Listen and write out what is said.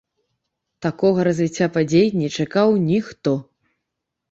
Такога развіцця падзей не чакаў ніхто.